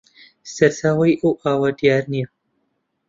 سەرچاوەی ئەو ئاوە دیار نییە